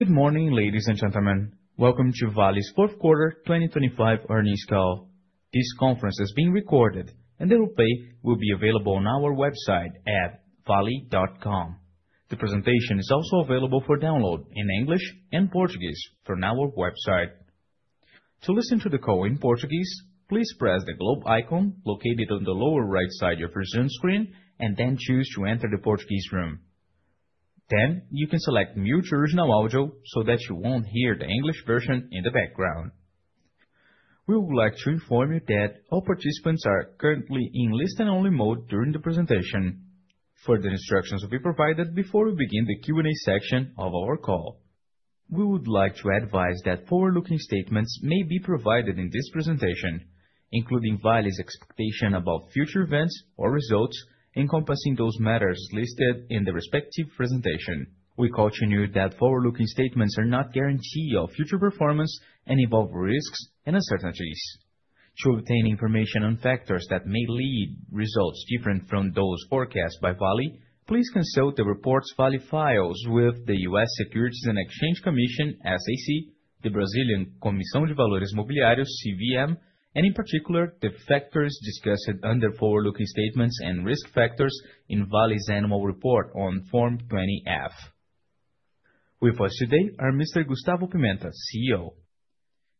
Good morning, ladies and gentlemen. Welcome to Vale's fourth quarter 2025 earnings call. This conference is being recorded, and the replay will be available on our website at vale.com. The presentation is also available for download in English and Portuguese from our website. To listen to the call in Portuguese, please press the globe icon located on the lower right side of your screen, and then choose to enter the Portuguese room. Then, you can select Mute Original Audio, so that you won't hear the English version in the background. We would like to inform you that all participants are currently in listen-only mode during the presentation. Further instructions will be provided before we begin the Q&A section of our call. We would like to advise that forward-looking statements may be provided in this presentation, including Vale's expectation about future events or results, encompassing those matters listed in the respective presentation. We caution you that forward-looking statements are not guarantee of future performance and involve risks and uncertainties. To obtain information on factors that may lead results different from those forecast by Vale, please consult the reports Vale files with the U.S. Securities and Exchange Commission, SEC, the Brazilian Comissão de Valores Mobiliários, CVM, and in particular, the factors discussed under forward-looking statements and risk factors in Vale's annual report on Form 20-F. With us today are Mr. Gustavo Pimenta, CEO;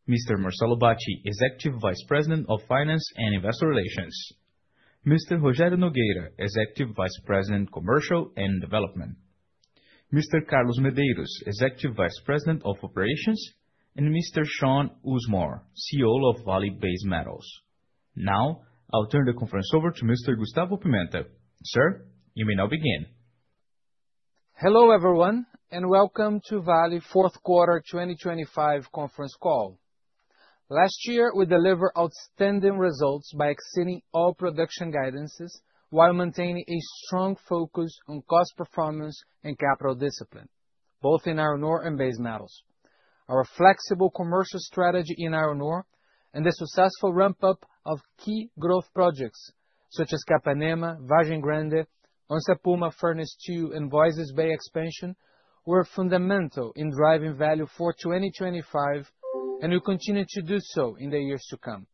Mr. Marcelo Bacci, Executive Vice President of Finance and Investor Relations; Mr. Rogério Nogueira, Executive Vice President, Commercial and Development; Mr. Carlos Medeiros, Executive Vice President of Operations; and Mr. Shaun Usmar, CEO of Vale Base Metals. Now, I'll turn the conference over to Mr. Gustavo Pimenta. Sir, you may now begin. Hello, everyone, and welcome to Vale fourth quarter 2025 conference call. Last year, we delivered outstanding results by exceeding all production guidances while maintaining a strong focus on cost, performance, and capital discipline, both in iron ore and base metals. Our flexible commercial strategy in iron ore and the successful ramp-up of key growth projects such as Capanema, Vargem Grande, Onça Puma Furnace 2, and Voisey's Bay expansion, were fundamental in driving value for 2025, and will continue to do so in the years to come.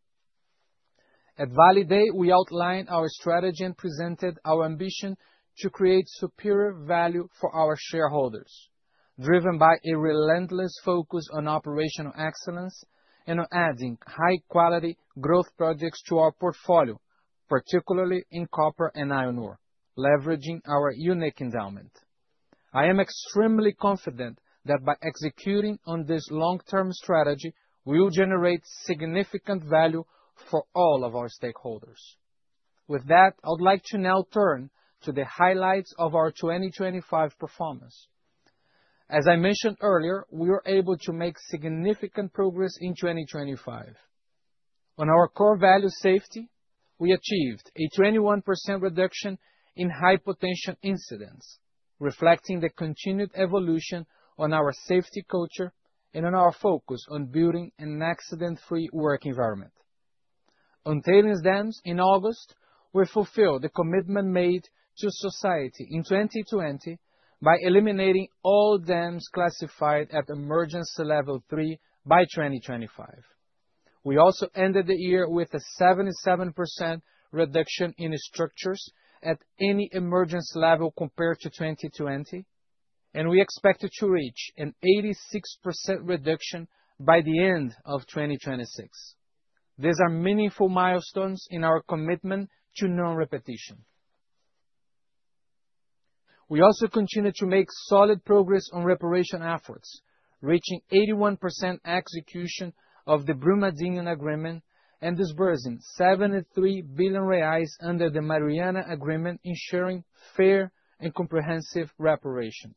At Vale Day, we outlined our strategy and presented our ambition to create superior value for our shareholders, driven by a relentless focus on operational excellence and on adding high-quality growth projects to our portfolio, particularly in copper and iron ore, leveraging our unique endowment. I am extremely confident that by executing on this long-term strategy, we will generate significant value for all of our stakeholders. With that, I'd like to now turn to the highlights of our 2025 performance. As I mentioned earlier, we were able to make significant progress in 2025. On our core value safety, we achieved a 21% reduction in high potential incidents, reflecting the continued evolution on our safety culture and on our focus on building an accident-free work environment. On tailings dams in August, we fulfilled the commitment made to society in 2020 by eliminating all dams classified at Emergency Level 3 by 2025. We also ended the year with a 77% reduction in structures at any emergency level compared to 2020, and we expected to reach an 86% reduction by the end of 2026. These are meaningful milestones in our commitment to non-repetition. We also continued to make solid progress on reparation efforts, reaching 81% execution of the Brumadinho agreement and disbursing 73 billion reais under the Mariana agreement, ensuring fair and comprehensive reparation.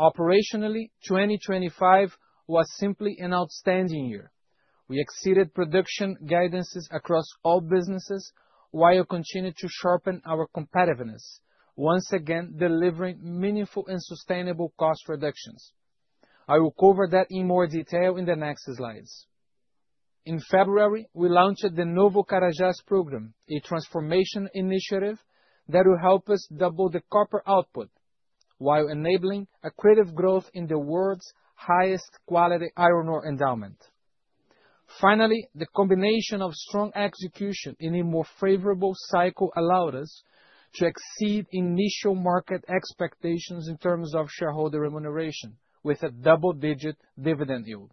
Operationally, 2025 was simply an outstanding year. We exceeded production guidances across all businesses, while we continued to sharpen our competitiveness, once again, delivering meaningful and sustainable cost reductions. I will cover that in more detail in the next slides. In February, we launched the Novo Carajás program, a transformation initiative that will help us double the copper output while enabling accretive growth in the world's highest quality iron ore endowment. Finally, the combination of strong execution in a more favorable cycle allowed us to exceed initial market expectations in terms of shareholder remuneration with a double-digit dividend yield.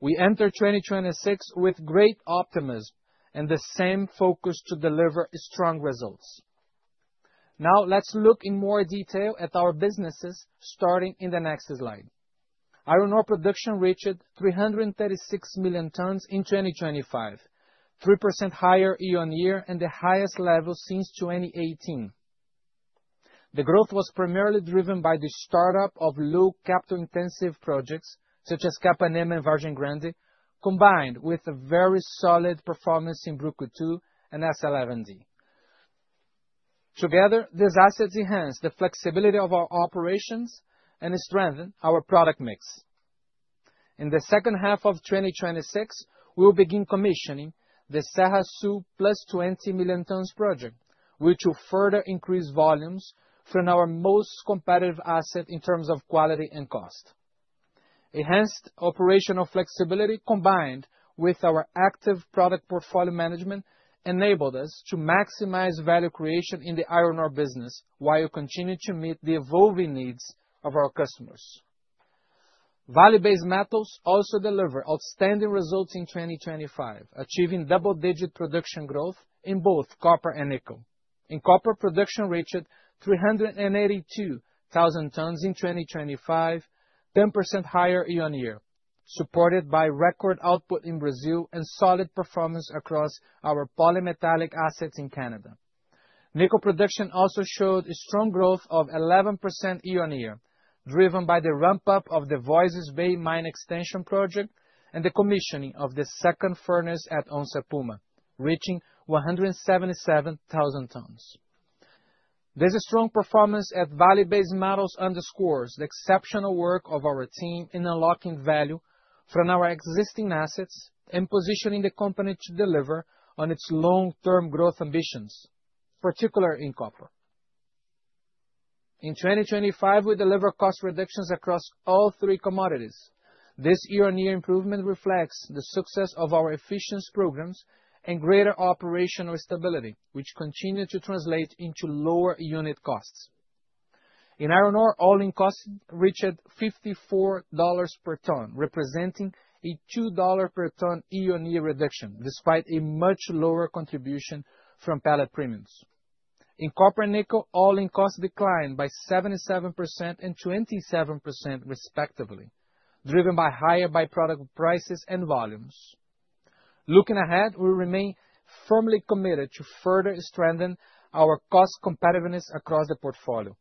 We enter 2026 with great optimism and the same focus to deliver strong results. Now, let's look in more detail at our businesses, starting in the next slide. Iron ore production reached 336 million tons in 2025, 3% higher year-on-year, and the highest level since 2018. The growth was primarily driven by the startup of low capital-intensive projects, such as Capanema and Vargem Grande, combined with a very solid performance in Brucutu and S11D. Together, these assets enhance the flexibility of our operations and strengthen our product mix. In the second half of 2026, we'll begin commissioning the Serra Sul +20 million tons project, which will further increase volumes from our most competitive asset in terms of quality and cost. Enhanced operational flexibility, combined with our active product portfolio management, enabled us to maximize value creation in the iron ore business, while we continue to meet the evolving needs of our customers. Vale Base Metals also delivered outstanding results in 2025, achieving double-digit production growth in both copper and nickel. In copper, production reached 382,000 tons in 2025, 10% higher year-on-year, supported by record output in Brazil and solid performance across our polymetallic assets in Canada. Nickel production also showed a strong growth of 11% year-on-year, driven by the ramp-up of the Voisey's Bay mine extension project and the commissioning of the second furnace at Onça Puma, reaching 177,000 tons. This strong performance at Vale Base Metals underscores the exceptional work of our team in unlocking value from our existing assets and positioning the company to deliver on its long-term growth ambitions, particularly in copper. In 2025, we delivered cost reductions across all three commodities. This year-on-year improvement reflects the success of our efficiency programs and greater operational stability, which continue to translate into lower unit costs. In iron ore, all-in costs reached $54 per ton, representing a $2 per ton year-on-year reduction, despite a much lower contribution from pellet premiums. In copper and nickel, all-in costs declined by 77% and 27%, respectively, driven by higher by-product prices and volumes. Looking ahead, we remain firmly committed to further strengthen our cost competitiveness across the portfolio.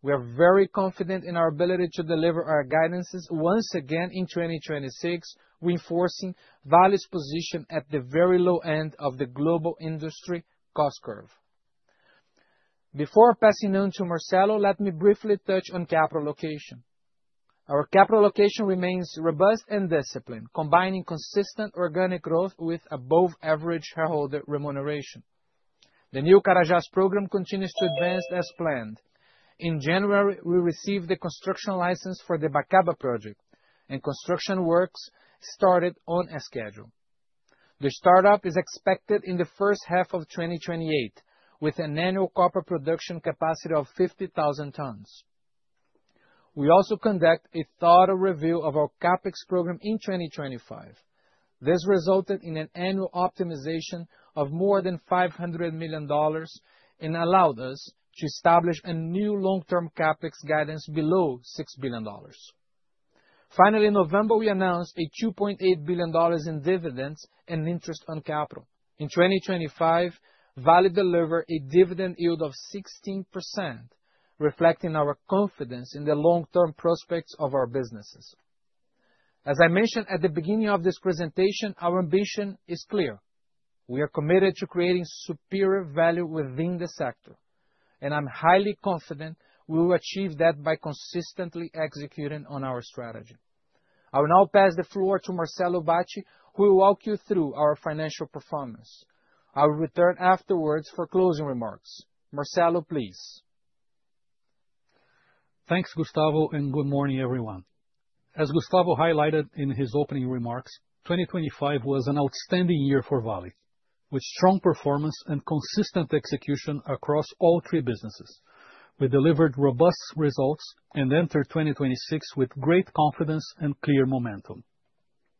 We are very confident in our ability to deliver our guidances once again in 2026, reinforcing Vale's position at the very low end of the global industry cost curve. Before passing on to Marcelo, let me briefly touch on capital allocation. Our capital allocation remains robust and disciplined, combining consistent organic growth with above average shareholder remuneration. The new Carajás program continues to advance as planned. In January, we received the construction license for the Bacaba project, and construction works started on a schedule. The startup is expected in the first half of 2028, with an annual copper production capacity of 50,000 tons. We also conduct a thorough review of our CapEx program in 2025. This resulted in an annual optimization of more than $500 million and allowed us to establish a new long-term CapEx guidance below $6 billion. Finally, in November, we announced $2.8 billion in dividends and interest on capital. In 2025, Vale delivered a dividend yield of 16%, reflecting our confidence in the long-term prospects of our businesses. As I mentioned at the beginning of this presentation, our ambition is clear. We are committed to creating superior value within the sector, and I'm highly confident we will achieve that by consistently executing on our strategy. I will now pass the floor to Marcelo Bacci, who will walk you through our financial performance. I will return afterwards for closing remarks. Marcelo, please. Thanks, Gustavo, and good morning, everyone. As Gustavo highlighted in his opening remarks, 2025 was an outstanding year for Vale. With strong performance and consistent execution across all three businesses, we delivered robust results and entered 2026 with great confidence and clear momentum.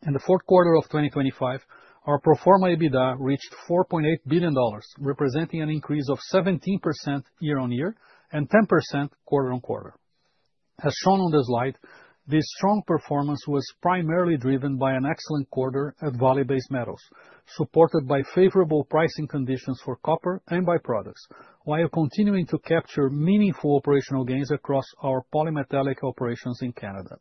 In the fourth quarter of 2025, our pro forma EBITDA reached $4.8 billion, representing an increase of 17% year-on-year and 10% quarter-on-quarter. As shown on the slide, this strong performance was primarily driven by an excellent quarter at Vale Base Metals, supported by favorable pricing conditions for copper and by-products, while continuing to capture meaningful operational gains across our polymetallic operations in Canada.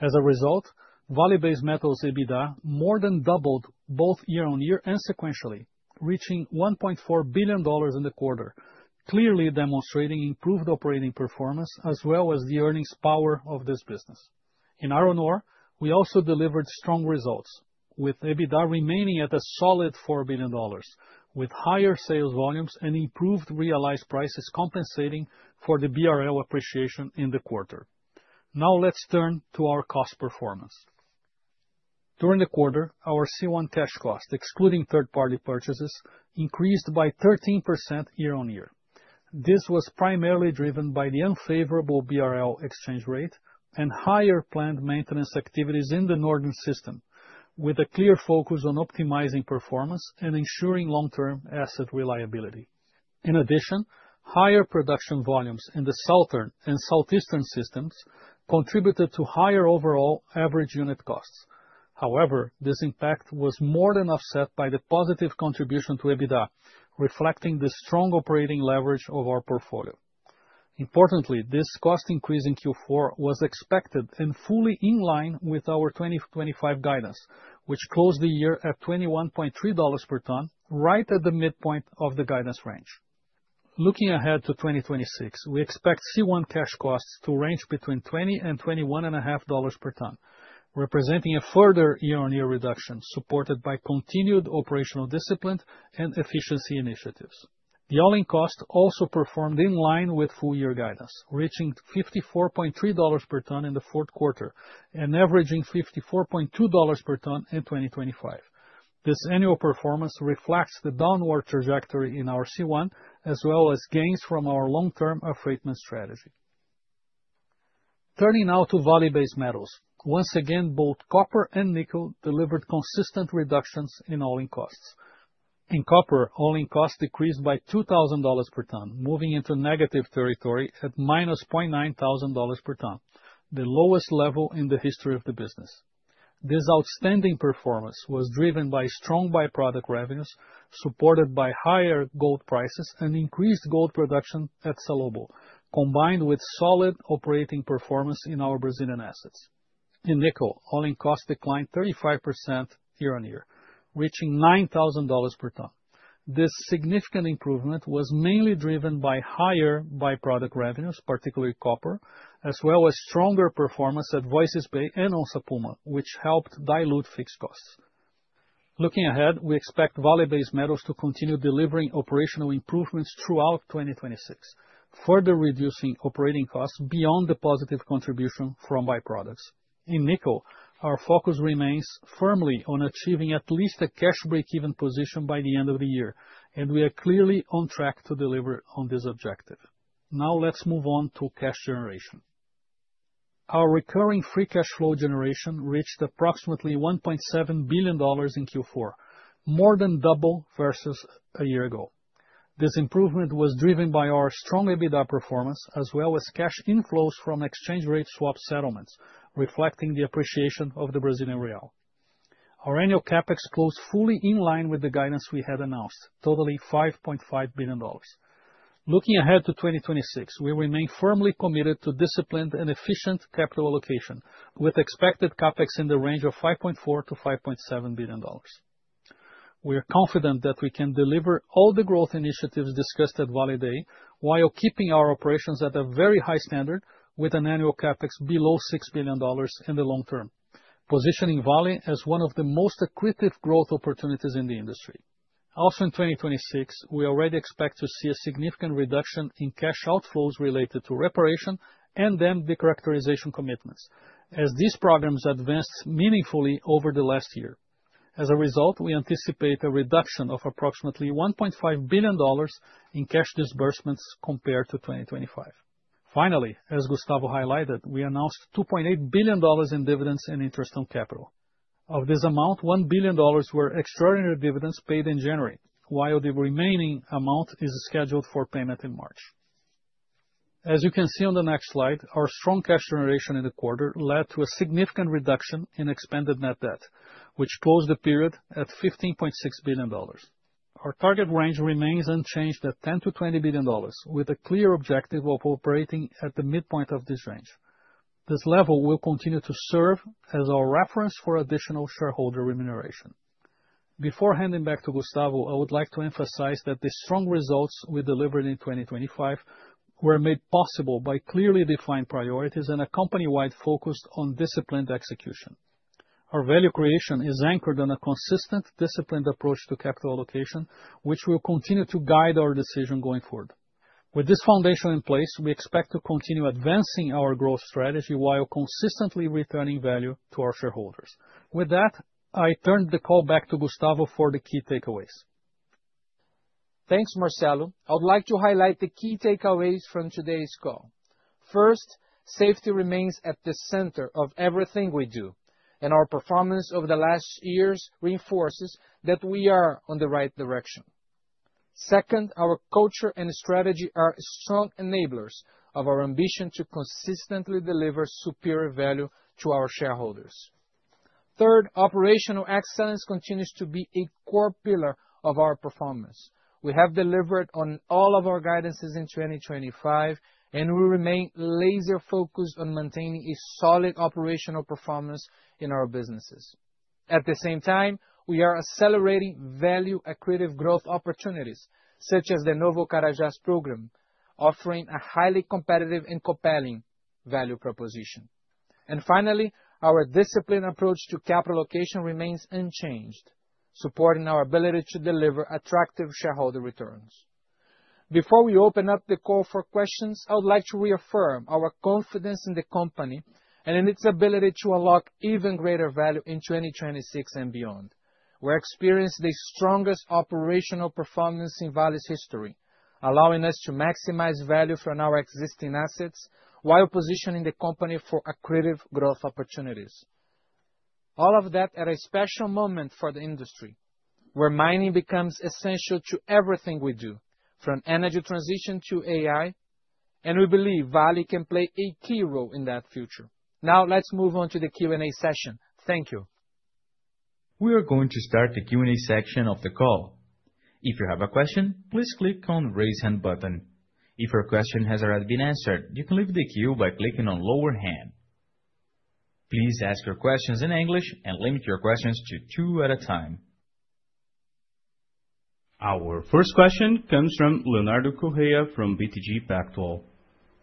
As a result, Vale Base Metals EBITDA more than doubled both year-on-year and sequentially, reaching $1.4 billion in the quarter, clearly demonstrating improved operating performance as well as the earnings power of this business. In iron ore, we also delivered strong results, with EBITDA remaining at a solid $4 billion, with higher sales volumes and improved realized prices compensating for the BRL appreciation in the quarter. Now, let's turn to our cost performance. During the quarter, our C1 cash cost, excluding third-party purchases, increased by 13% year-on-year. This was primarily driven by the unfavorable BRL exchange rate and higher planned maintenance activities in the northern system, with a clear focus on optimizing performance and ensuring long-term asset reliability. In addition, higher production volumes in the southern and southeastern systems contributed to higher overall average unit costs. However, this impact was more than offset by the positive contribution to EBITDA, reflecting the strong operating leverage of our portfolio. Importantly, this cost increase in Q4 was expected and fully in line with our 2025 guidance, which closed the year at $21.3 per ton, right at the midpoint of the guidance range. Looking ahead to 2026, we expect C1 cash costs to range between $20 and $21.5 per ton, representing a further year-on-year reduction, supported by continued operational discipline and efficiency initiatives. The all-in cost also performed in line with full year guidance, reaching $54.3 per ton in the fourth quarter, and averaging $54.2 per ton in 2025. This annual performance reflects the downward trajectory in our C1, as well as gains from our long-term affreightment strategy. Turning now to Value Base Metals. Once again, both copper and nickel delivered consistent reductions in all-in costs. In copper, all-in costs decreased by $2,000 per ton, moving into negative territory at -$0.9000 per ton, the lowest level in the history of the business. This outstanding performance was driven by strong by-product revenues, supported by higher gold prices and increased gold production at Salobo, combined with solid operating performance in our Brazilian assets. In nickel, all-in costs declined 35% year-on-year, reaching $9,000 per ton. This significant improvement was mainly driven by higher by-product revenues, particularly copper, as well as stronger performance at Voisey's Bay and Onça Puma, which helped dilute fixed costs. Looking ahead, we expect Vale Base Metals to continue delivering operational improvements throughout 2026, further reducing operating costs beyond the positive contribution from by-products. In nickel, our focus remains firmly on achieving at least a cash break-even position by the end of the year, and we are clearly on track to deliver on this objective. Now let's move on to cash generation. Our recurring free cash flow generation reached approximately $1.7 billion in Q4, more than double versus a year ago. This improvement was driven by our strong EBITDA performance, as well as cash inflows from exchange rate swap settlements, reflecting the appreciation of the Brazilian real. Our annual CapEx closed fully in line with the guidance we had announced, totaling $5.5 billion. Looking ahead to 2026, we remain firmly committed to disciplined and efficient capital allocation, with expected CapEx in the range of $5.4 billion-$5.7 billion. We are confident that we can deliver all the growth initiatives discussed at Vale Day, while keeping our operations at a very high standard, with an annual CapEx below $6 billion in the long term, positioning Vale as one of the most accretive growth opportunities in the industry. Also, in 2026, we already expect to see a significant reduction in cash outflows related to reparation and then the characterization commitments, as these programs advanced meaningfully over the last year. As a result, we anticipate a reduction of approximately $1.5 billion in cash disbursements compared to 2025. Finally, as Gustavo highlighted, we announced $2.8 billion in dividends and interest on capital. Of this amount, $1 billion were extraordinary dividends paid in January, while the remaining amount is scheduled for payment in March. As you can see on the next slide, our strong cash generation in the quarter led to a significant reduction in expanded net debt, which closed the period at $15.6 billion. Our target range remains unchanged at $10 billion-$20 billion, with a clear objective of operating at the midpoint of this range. This level will continue to serve as our reference for additional shareholder remuneration. Before handing back to Gustavo, I would like to emphasize that the strong results we delivered in 2025 were made possible by clearly defined priorities and a company-wide focus on disciplined execution. Our value creation is anchored on a consistent, disciplined approach to capital allocation, which will continue to guide our decision going forward. With this foundation in place, we expect to continue advancing our growth strategy, while consistently returning value to our shareholders. With that, I turn the call back to Gustavo for the key takeaways. Thanks, Marcelo. I would like to highlight the key takeaways from today's call. First, safety remains at the center of everything we do, and our performance over the last years reinforces that we are on the right direction. Second, our culture and strategy are strong enablers of our ambition to consistently deliver superior value to our shareholders. Third, operational excellence continues to be a core pillar of our performance. We have delivered on all of our guidances in 2025, and we remain laser-focused on maintaining a solid operational performance in our businesses. At the same time, we are accelerating value-accretive growth opportunities, such as the Novo Carajás program, offering a highly competitive and compelling value proposition. And finally, our disciplined approach to capital allocation remains unchanged, supporting our ability to deliver attractive shareholder returns. Before we open up the call for questions, I would like to reaffirm our confidence in the company and in its ability to unlock even greater value in 2026 and beyond. We're experiencing the strongest operational performance in Vale's history, allowing us to maximize value from our existing assets, while positioning the company for accretive growth opportunities. All of that at a special moment for the industry, where mining becomes essential to everything we do, from energy transition to AI, and we believe Vale can play a key role in that future. Now, let's move on to the Q&A session. Thank you. We are going to start the Q&A section of the call. If you have a question, please click on the Raise Hand button. If your question has already been answered, you can leave the queue by clicking on Lower Hand. Please ask your questions in English, and limit your questions to two at a time. Our first question comes from Leonardo Correa from BTG Pactual.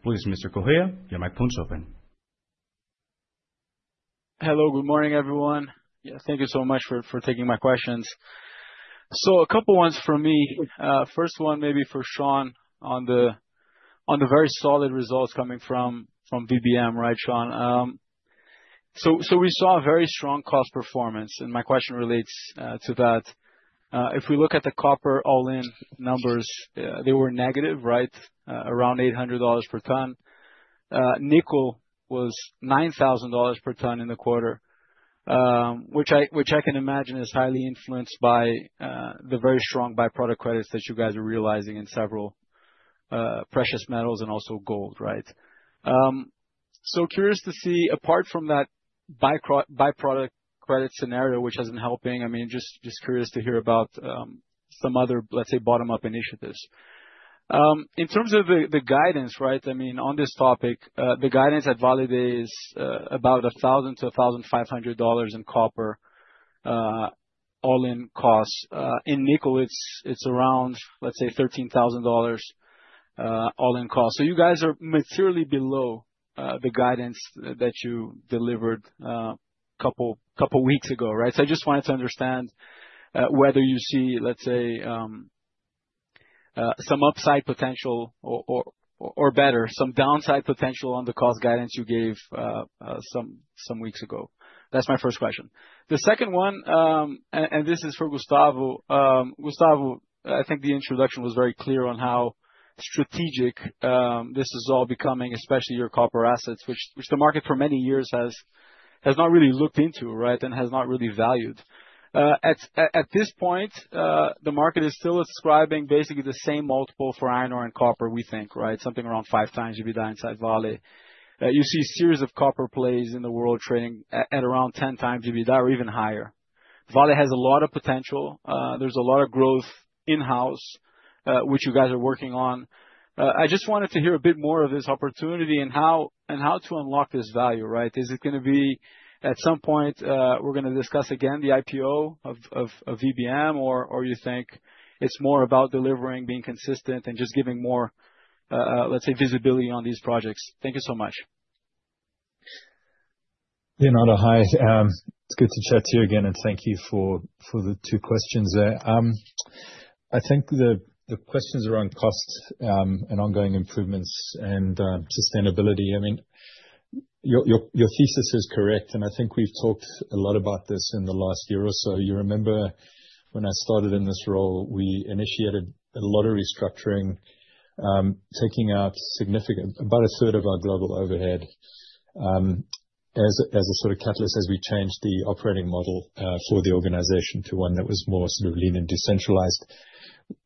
Please, Mr. Correa, your mic is open. Hello, good morning, everyone. Yes, thank you so much for taking my questions. So a couple ones from me. First one maybe for Shaun, on the very solid results coming from VBM, right, Shaun? So we saw a very strong cost performance, and my question relates to that. If we look at the copper all-in numbers, they were negative, right? Around $800 per ton. Nickel was $9,000 per ton in the quarter, which I can imagine is highly influenced by the very strong by-product credits that you guys are realizing in several precious metals and also gold, right? So curious to see, apart from that by-product credit scenario, which isn't helping, I mean, just curious to hear about some other, let's say, bottom-up initiatives. In terms of the guidance, right, I mean, on this topic, the guidance at Vale is about $1,000-$1,500 in copper all-in costs. In nickel it's around, let's say, $13,000 all-in costs. So you guys are materially below the guidance that you delivered a couple weeks ago, right? So I just wanted to understand whether you see, let's say, some upside potential or better, some downside potential on the cost guidance you gave some weeks ago. That's my first question. The second one, and this is for Gustavo. Gustavo, I think the introduction was very clear on how strategic this is all becoming, especially your copper assets, which the market for many years has not really looked into, right? And has not really valued. At this point, the market is still ascribing basically the same multiple for iron ore and copper, we think, right? Something around 5x EBITDA inside Vale. You see a series of copper plays in the world trading at around 10x EBITDA or even higher. Vale has a lot of potential. There's a lot of growth in-house, which you guys are working on. I just wanted to hear a bit more of this opportunity and how to unlock this value, right? Is it gonna be at some point we're gonna discuss again the IPO of VBM, or you think it's more about delivering, being consistent and just giving more, let's say, visibility on these projects? Thank you so much. Leonardo, hi. It's good to chat to you again, and thank you for the two questions there. I think the questions around costs and ongoing improvements and sustainability, I mean, your thesis is correct, and I think we've talked a lot about this in the last year or so. You remember when I started in this role, we initiated a lot of restructuring, taking out significantly about a third of our global overhead, as a sort of catalyst, as we changed the operating model for the organization to one that was more sort of lean and decentralized.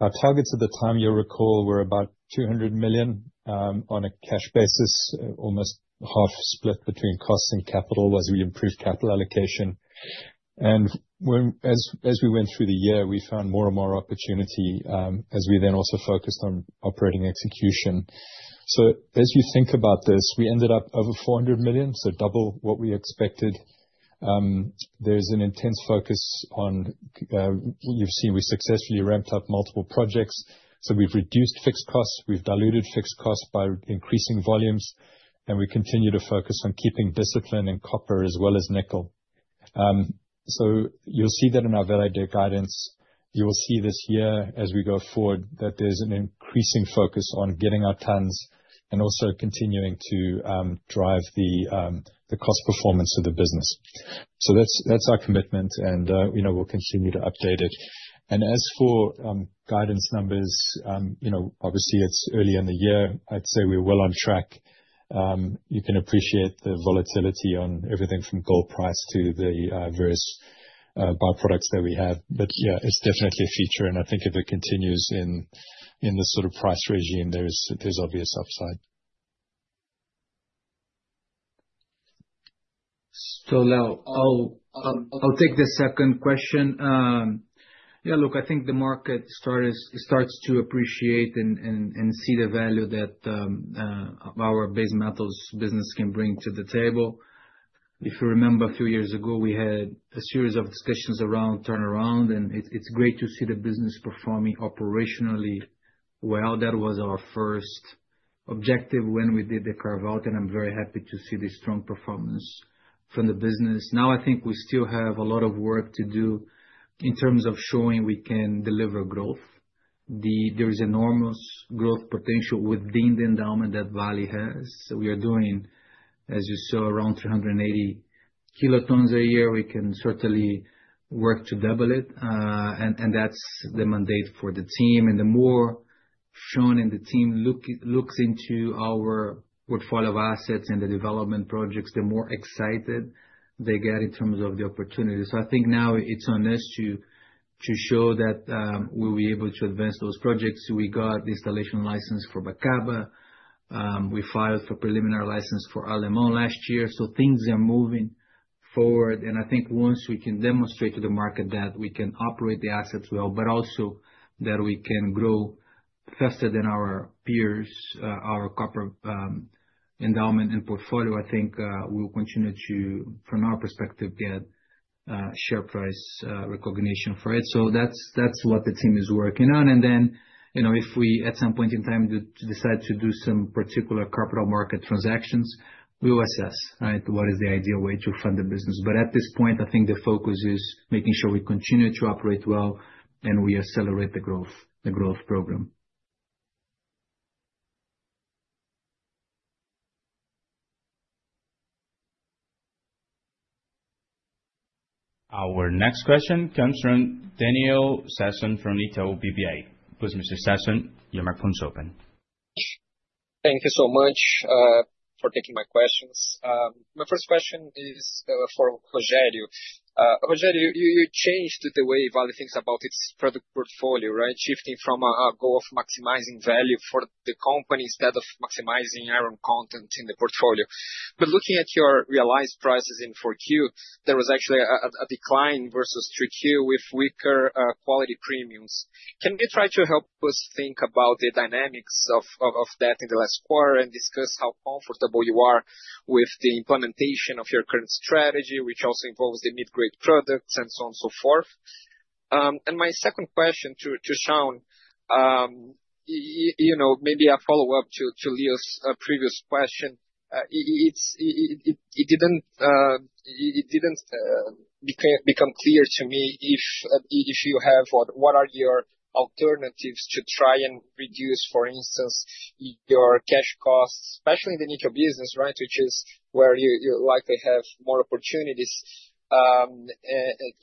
Our targets at the time, you'll recall, were about $200 million on a cash basis, almost half split between costs and capital, as we improved capital allocation. As we went through the year, we found more and more opportunity, as we then also focused on operating execution. So as you think about this, we ended up over $400 million, so double what we expected. You've seen we successfully ramped up multiple projects, so we've reduced fixed costs, we've diluted fixed costs by increasing volumes, and we continue to focus on keeping discipline in copper as well as nickel. So you'll see that in our Vale guidance. You will see this year as we go forward, that there's an increasing focus on getting our tons and also continuing to drive the cost performance of the business. So that's our commitment, and you know, we'll continue to update it. As for guidance numbers, you know, obviously it's early in the year. I'd say we're well on track. You can appreciate the volatility on everything from gold price to the various by-products that we have. But yeah, it's definitely a feature, and I think if it continues in this sort of price regime, there's obvious upside. So now, I'll, I'll take the second question. Yeah, look, I think the market starts to appreciate and see the value that our base metals business can bring to the table. If you remember, a few years ago, we had a series of discussions around turnaround, and it's great to see the business performing operationally well. That was our first objective when we did the carve-out, and I'm very happy to see the strong performance from the business. Now, I think we still have a lot of work to do in terms of showing we can deliver growth. There is enormous growth potential within the endowment that Vale has. We are doing, as you saw, around 380 kt a year. We can certainly work to double it, and that's the mandate for the team. The more Shaun and the team looks into our portfolio of assets and the development projects, the more excited they get in terms of the opportunities. I think now it's on us to show that we'll be able to advance those projects. We got the installation license for Bacaba, we filed for preliminary license for Alemão last year, so things are moving forward, and I think once we can demonstrate to the market that we can operate the assets well, but also that we can grow faster than our peers, our copper endowment and portfolio, I think we'll continue to, from our perspective, get share price recognition for it. That's what the team is working on. And then, you know, if we, at some point in time, decide to do some particular capital market transactions, we will assess, right, what is the ideal way to fund the business. But at this point, I think the focus is making sure we continue to operate well and we accelerate the growth, the growth program. Our next question comes from Daniel Sasson from Itaú BBA. Please, Mr. Sasson, your microphone is open. Thank you so much for taking my questions. My first question is for Rogério. Rogério, you changed the way Vale thinks about its product portfolio, right? Shifting from a goal of maximizing value for the company instead of maximizing iron content in the portfolio. But looking at your realized prices in 4Q, there was actually a decline versus 3Q with weaker quality premiums. Can you try to help us think about the dynamics of that in the last quarter, and discuss how comfortable you are with the implementation of your current strategy, which also involves the mid-grade products, and so on and so forth? And my second question to Shaun, you know, maybe a follow-up to Leo's previous question. It didn't become clear to me if you have... What are your alternatives to try and reduce, for instance, your cash costs, especially in the nickel business, right? Which is where you likely have more opportunities to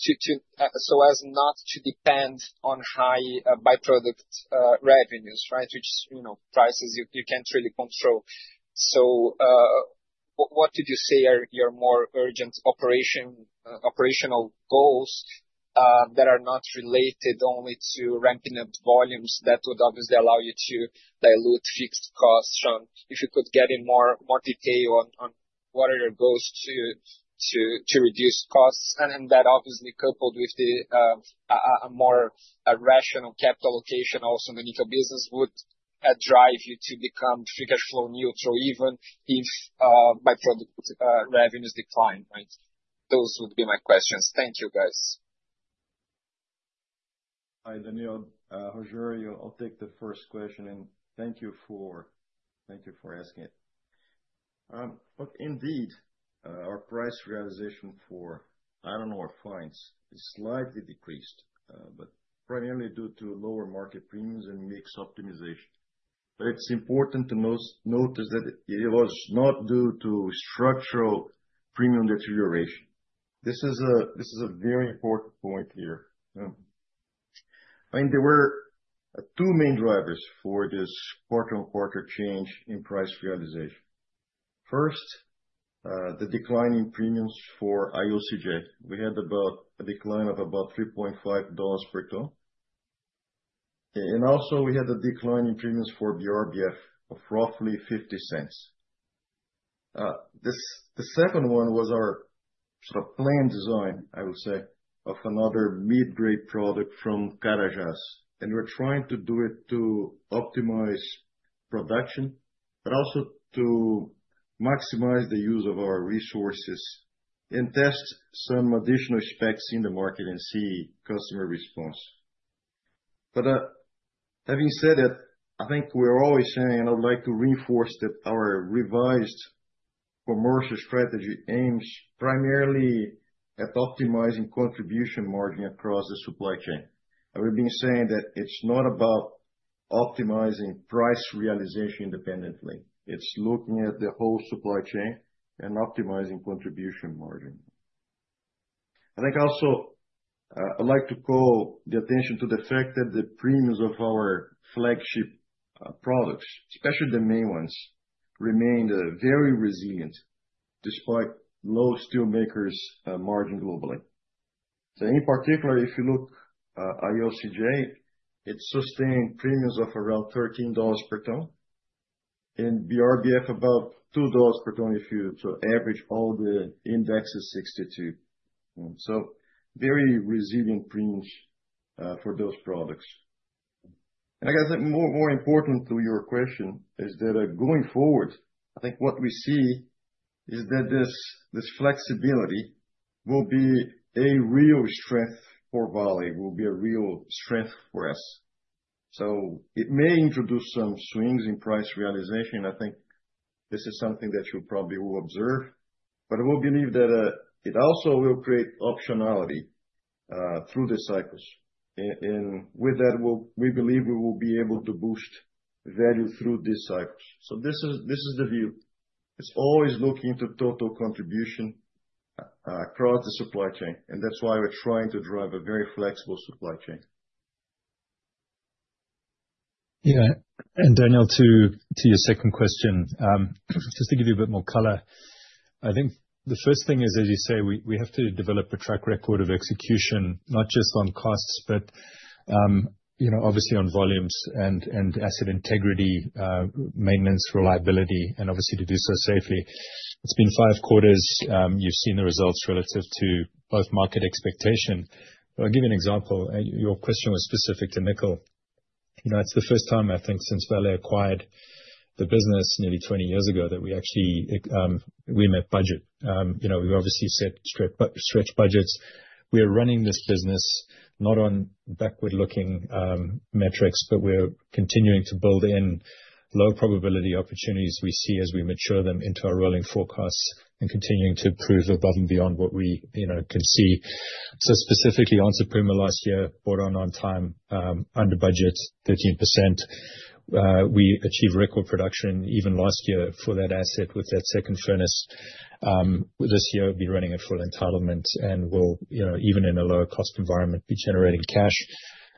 so as not to depend on high by-product revenues, right? Which, you know, prices you can't really control. So, what did you say are your more urgent operational goals that are not related only to ramping up volumes that would obviously allow you to dilute fixed costs. Shaun, If you could get in more detail on what are your goals to reduce costs, and then that obviously coupled with a more rational capital allocation also in the nickel business, would drive you to become free cash flow neutral, even if by-product revenues decline, right? Those would be my questions. Thank you, guys. Hi, Daniel, Rogério. I'll take the first question, and thank you for asking it. But indeed, our price realization for iron ore fines is slightly decreased, but primarily due to lower market premiums and mix optimization. But it's important to note that it was not due to structural premium deterioration. This is a very important point here. I think there were two main drivers for this quarter-on-quarter change in price realization. First, the decline in premiums for IOCJ. We had about a decline of about $3.5 per ton. And also, we had a decline in premiums for BRBF of roughly $0.50. This, the second one was our sort of plan design, I would say, of another mid-grade product from Carajás, and we're trying to do it to optimize production, but also to maximize the use of our resources and test some additional specs in the market and see customer response. But, having said that, I think we're always saying, and I'd like to reinforce, that our revised commercial strategy aims primarily at optimizing contribution margin across the supply chain. And we've been saying that it's not about optimizing price realization independently. It's looking at the whole supply chain and optimizing contribution margin. I think also, I'd like to call the attention to the fact that the premiums of our flagship, products, especially the main ones, remained, very resilient despite low steel makers margin globally. So in particular, if you look at IOCJ, it sustained premiums of around $13 per ton, and BRBF, about $2 per ton, if you to average all the indexes 62. So very resilient premiums for those products. And I guess, like more important to your question is that going forward, I think what we see is that this, this flexibility will be a real strength for Vale, will be a real strength for us. So it may introduce some swings in price realization. I think this is something that you probably will observe, but we believe that it also will create optionality through the cycles. And with that, we believe we will be able to boost value through these cycles. So this is, this is the view. It's always looking to total contribution across the supply chain, and that's why we're trying to drive a very flexible supply chain. Yeah, and Daniel, to your second question, just to give you a bit more color. I think the first thing is, as you say, we have to develop a track record of execution, not just on costs, but, you know, obviously on volumes and asset integrity, maintenance, reliability, and obviously to do so safely. It's been five quarters, you've seen the results relative to both market expectation. But I'll give you an example. Your question was specific to nickel. You know, it's the first time, I think, since Vale acquired the business nearly 20 years ago, that we actually, we met budget. You know, we obviously set straight, stretch budgets. We are running this business not on backward-looking, metrics, but we're continuing to build in low-probability opportunities we see as we mature them into our rolling forecasts, and continuing to prove above and beyond what we, you know, can see. So specifically, on Onça Puma last year, brought on time, under budget, 13%. We achieved record production even last year for that asset with that second furnace. This year, we'll be running at full entitlement and will, you know, even in a lower cost environment, be generating cash.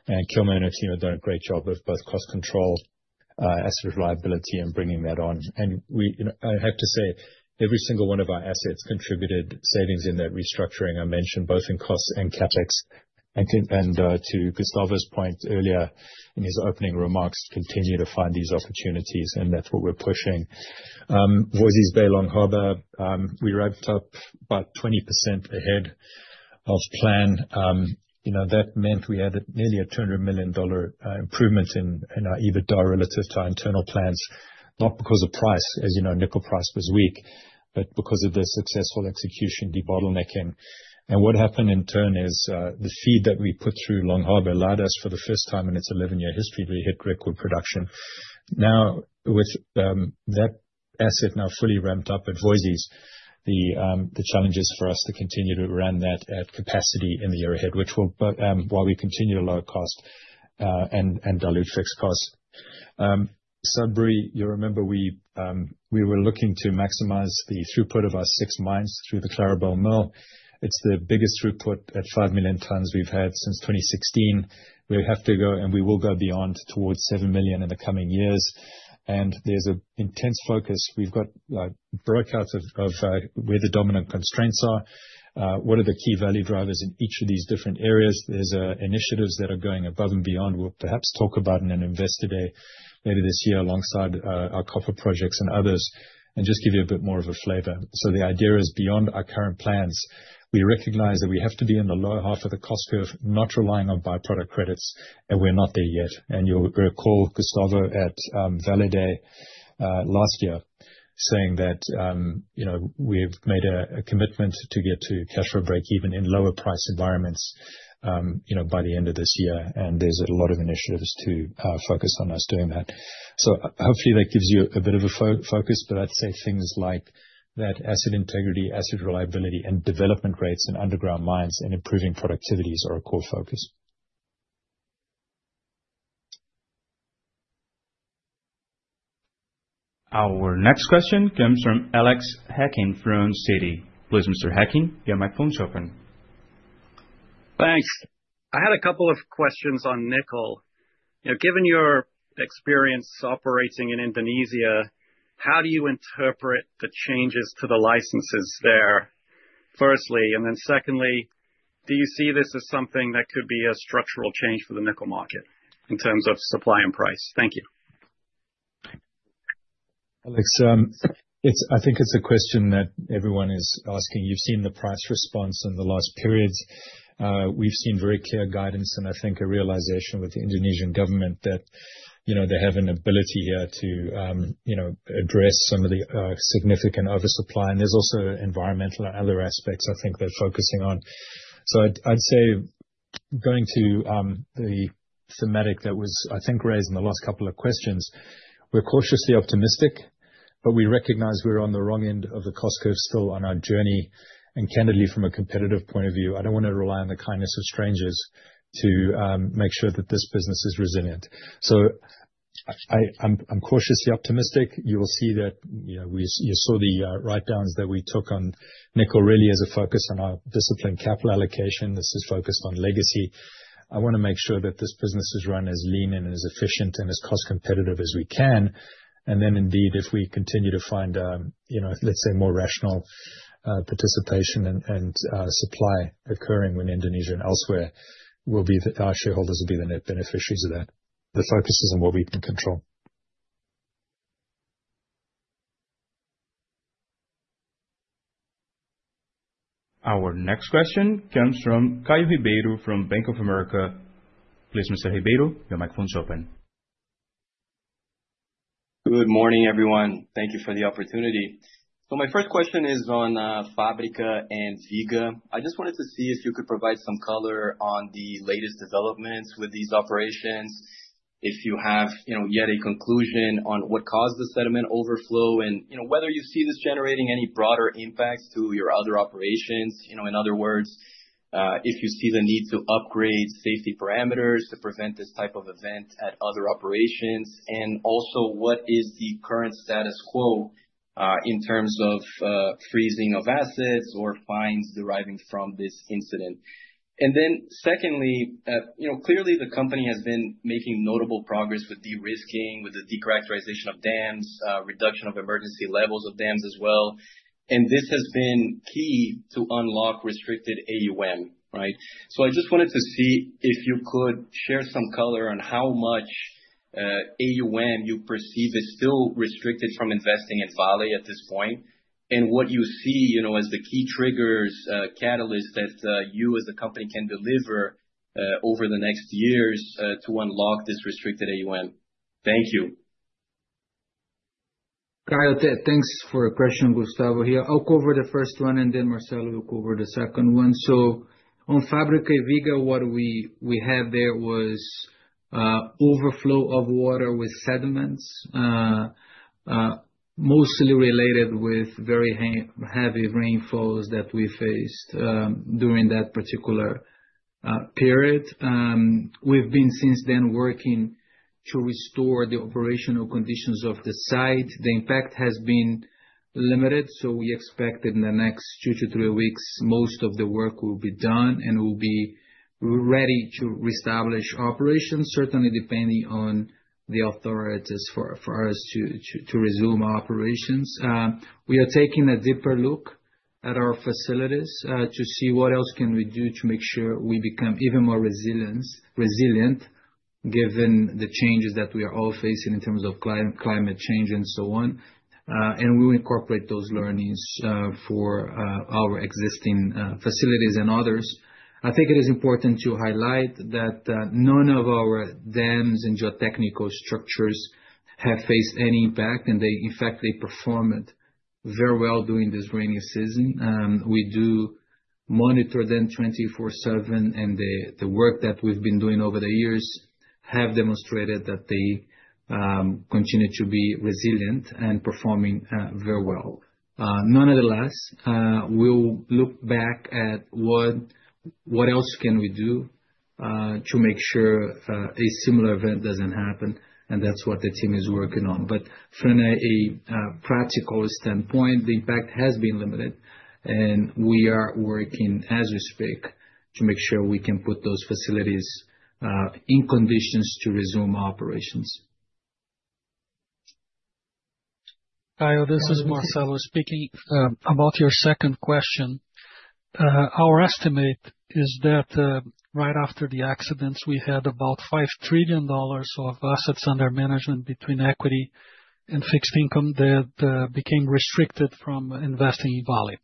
And Gilman and the team have done a great job of both cost control, asset reliability, and bringing that on. And we, you know, I have to say, every single one of our assets contributed savings in that restructuring I mentioned, both in costs and CapEx. And to Gustavo's point earlier in his opening remarks, continue to find these opportunities, and that's what we're pushing. Voisey's Bay Long Harbour, we ramped up about 20% ahead of plan. You know, that meant we had nearly a $200 million improvement in our EBITDA relative to our internal plans, not because of price, as you know, nickel price was weak, but because of the successful execution, debottlenecking. What happened in turn is, the feed that we put through Long Harbour allowed us, for the first time in its 11-year history, we hit record production. Now, with that asset now fully ramped up at Voisey's, the challenge is for us to continue to run that at capacity in the year ahead, while we continue to lower cost, and dilute fixed costs. Sudbury, you remember we were looking to maximize the throughput of our six mines through the Clarabelle Mill. It's the biggest throughput at 5 million tons we've had since 2016. We have to go, and we will go beyond towards 7 million in the coming years. There's an intense focus. We've got, like, breakouts of where the dominant constraints are, what are the key value drivers in each of these different areas? There's initiatives that are going above and beyond. We'll perhaps talk about in an investor day, maybe this year, alongside our copper projects and others, and just give you a bit more of a flavor. So the idea is, beyond our current plans, we recognize that we have to be in the lower half of the cost curve, not relying on byproduct credits, and we're not there yet. And you'll recall Gustavo at Vale Day last year, saying that you know, we've made a commitment to get to cash flow breakeven in lower price environments, you know, by the end of this year, and there's a lot of initiatives to focus on us doing that. So hopefully, that gives you a bit of a focus, but I'd say things like that asset integrity, asset reliability, and development rates in underground mines and improving productivities are a core focus. Our next question comes from Alex Hacking from Citi. Please, Mr. Hacking, your microphone is open. Thanks. I had a couple of questions on nickel. You know, given your experience operating in Indonesia, how do you interpret the changes to the licenses there, firstly? And then secondly, do you see this as something that could be a structural change for the nickel market in terms of supply and price? Thank you. Alex, it's a question that everyone is asking. I think you've seen the price response in the last periods. We've seen very clear guidance, and I think a realization with the Indonesian government that, you know, they have an ability here to, you know, address some of the significant oversupply. And there's also environmental and other aspects I think they're focusing on. So I'd say going to the thematic that was, I think, raised in the last couple of questions, we're cautiously optimistic, but we recognize we're on the wrong end of the cost curve still on our journey. And candidly, from a competitive point of view, I don't want to rely on the kindness of strangers to make sure that this business is resilient. So I'm cautiously optimistic. You will see that, you know, we, you saw the writedowns that we took on nickel really as a focus on our disciplined capital allocation. This is focused on legacy. I want to make sure that this business is run as lean and as efficient and as cost competitive as we can. And then indeed, if we continue to find, you know, let's say, more rational participation and supply occurring in Indonesia and elsewhere, we'll be the, our shareholders will be the net beneficiaries of that. Let's focus on what we can control. Our next question comes from Caio Ribeiro from Bank of America. Please, Mr. Ribeiro, your microphone's open. Good morning, everyone. Thank you for the opportunity. So my first question is on Fábrica and Viga. I just wanted to see if you could provide some color on the latest developments with these operations. If you have, you know, yet a conclusion on what caused the sediment overflow, and, you know, whether you see this generating any broader impacts to your other operations. You know, in other words, if you see the need to upgrade safety parameters to prevent this type of event at other operations. And also, what is the current status quo in terms of freezing of assets or fines deriving from this incident? And then secondly, you know, clearly the company has been making notable progress with de-risking, with the de-characterization of dams, reduction of emergency levels of dams as well, and this has been key to unlock restricted AUM, right? So I just wanted to see if you could share some color on how much AUM you perceive is still restricted from investing in Vale at this point? And what you see, you know, as the key triggers, catalyst that you as a company can deliver over the next years to unlock this restricted AUM. Thank you. Caio, thanks for your question, Gustavo here. I'll cover the first one, and then Marcelo will cover the second one. So on Fábrica Viga, what we have there was overflow of water with sediments. Mostly related with very heavy rainfalls that we faced during that particular period. We've been since then working to restore the operational conditions of the site. The impact has been limited, so we expect that in the next two to three weeks, most of the work will be done, and we'll be ready to reestablish operations, certainly depending on the authorities for us to resume our operations. We are taking a deeper look at our facilities, to see what else can we do to make sure we become even more resilience, resilient, given the changes that we are all facing in terms of climate change and so on. And we will incorporate those learnings, for, our existing, facilities and others. I think it is important to highlight that, none of our dams and geotechnical structures have faced any impact, and they in fact, they performed very well during this rainy season. We do monitor them 24/7, and the work that we've been doing over the years have demonstrated that they, continue to be resilient and performing, very well. Nonetheless, we'll look back at what else can we do to make sure a similar event doesn't happen, and that's what the team is working on. But from a practical standpoint, the impact has been limited, and we are working as we speak to make sure we can put those facilities in conditions to resume operations. Caio, this is Marcelo. Speaking about your second question, our estimate is that right after the accidents, we had about $5 trillion of assets under management between equity and fixed income that became restricted from investing in Vale.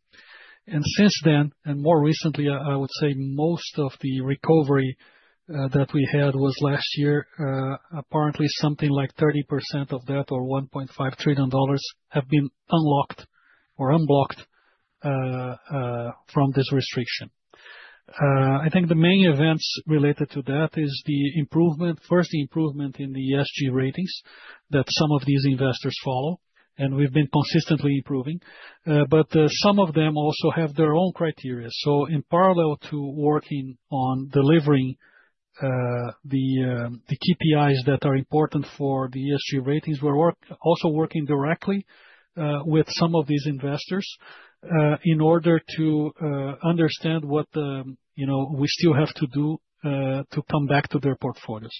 And since then, and more recently I would say most of the recovery that we had was last year. Apparently something like 30% of that or $1.5 trillion have been unlocked or unblocked from this restriction. I think the main events related to that is the improvement, first, the improvement in the ESG ratings that some of these investors follow, and we've been consistently improving. But some of them also have their own criteria. So in parallel to working on delivering the KPIs that are important for the ESG ratings, we're also working directly with some of these investors in order to understand what, you know, we still have to do to come back to their portfolios.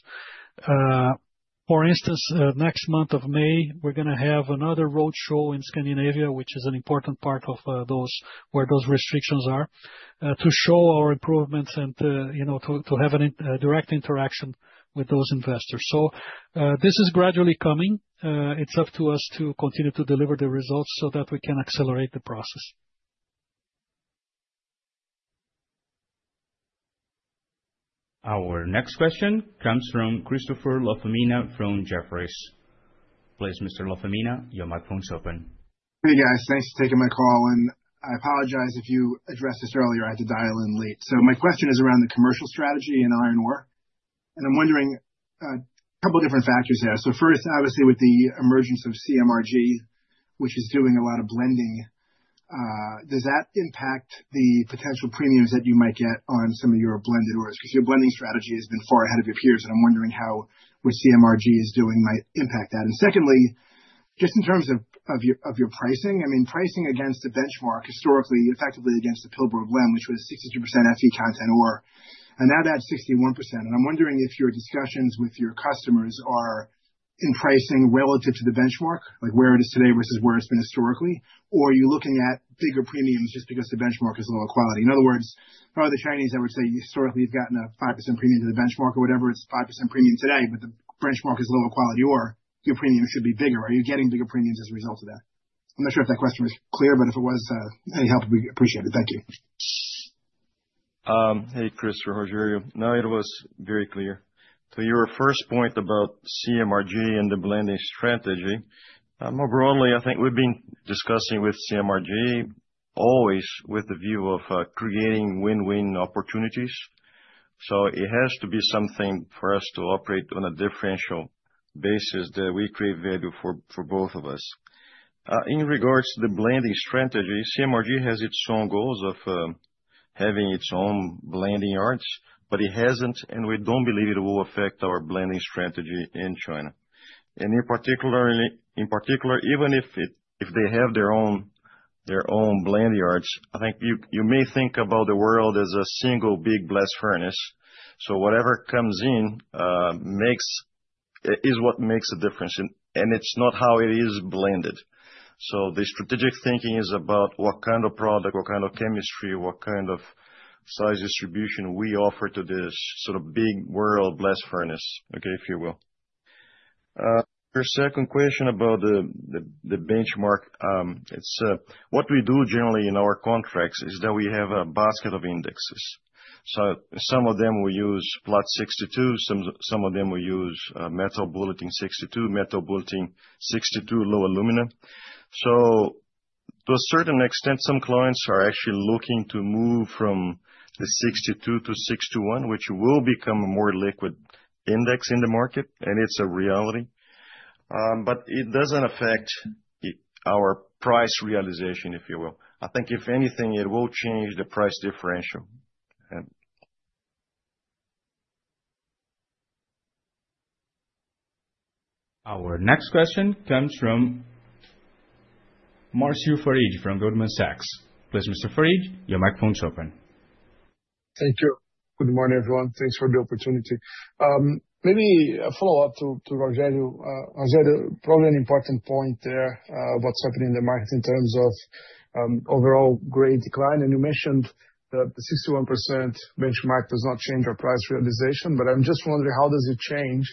For instance, next month of May, we're gonna have another roadshow in Scandinavia, which is an important part of those where those restrictions are to show our improvements and, you know, to have a direct interaction with those investors. So this is gradually coming. It's up to us to continue to deliver the results so that we can accelerate the process. Our next question comes from Christopher LaFemina from Jefferies. Please, Mr. LaFemina, your microphone's open. Hey, guys, thanks for taking my call, and I apologize if you addressed this earlier. I had to dial in late. My question is around the commercial strategy and iron ore. I'm wondering a couple of different factors there. First, obviously with the emergence of CMRG, which is doing a lot of blending, does that impact the potential premiums that you might get on some of your blended ores? Because your blending strategy has been far ahead of your peers, and I'm wondering how what CMRG is doing might impact that. And secondly, just in terms of your pricing, I mean, pricing against the benchmark historically, effectively against the Pilbara Blend, which was 62% FC content ore, and now down to 61%. I'm wondering if your discussions with your customers are in pricing relative to the benchmark, like where it is today versus where it's been historically? Or are you looking at bigger premiums just because the benchmark is lower quality? In other words, for the Chinese, I would say historically, you've gotten a 5% premium to the benchmark or whatever, it's 5% premium today, but the benchmark is lower quality ore, your premium should be bigger. Are you getting bigger premiums as a result of that? I'm not sure if that question was clear, but if it was, any help would be appreciated. Thank you. Hey, Christopher, Rogério. No, it was very clear. To your first point about CMRG and the blending strategy, more broadly, I think we've been discussing with CMRG always with the view of, creating win-win opportunities. So it has to be something for us to operate on a differential basis that we create value for, for both of us. In regards to the blending strategy, CMRG has its own goals of, having its own blending yards, but it hasn't, and we don't believe it will affect our blending strategy in China. And in particular, even if they have their own, their own blending yards, I think you may think about the world as a single big blast furnace. So whatever comes in, is what makes a difference, and it's not how it is blended. So the strategic thinking is about what kind of product, what kind of chemistry, what kind of size distribution we offer to this sort of big world blast furnace, okay, if you will. Your second question about the benchmark, it's what we do generally in our contracts is that we have a basket of indexes. So some of them will use Platts 62, some of them will use Metal Bulletin 62, low alumina. So to a certain extent, some clients are actually looking to move from the 62 to the 61, which will become a more liquid index in the market, and it's a reality. But it doesn't affect our price realization, if you will. I think if anything, it will change the price differential, and- Our next question comes from Marcio Farid from Goldman Sachs. Please, Mr. Farid, your microphone's open. Thank you. Good morning, everyone. Thanks for the opportunity. Maybe a follow-up to, to Rogério. Rogério, probably an important point there, what's happening in the market in terms of, overall grade decline. And you mentioned that the 61% benchmark does not change our price realization, but I'm just wondering, how does it change,